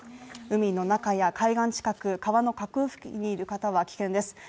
海の中や海岸近く川にいる方は危険です。